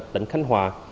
tỉnh khánh hòa